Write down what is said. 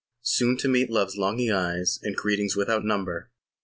Soon to meet love's longing eyes And greetings without number.